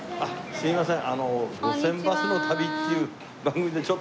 すいません。